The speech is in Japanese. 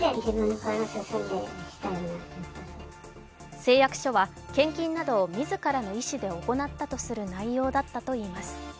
誓約書は、献金などを自らの意思で行ったとする内容だったといいます。